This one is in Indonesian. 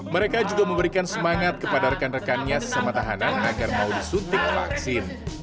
mereka juga memberikan semangat kepada rekan rekannya sesama tahanan agar mau disuntik vaksin